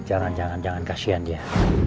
jangan jangan kasian dia